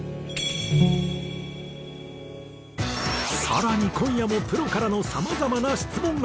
更に今夜もプロからのさまざまな質問が。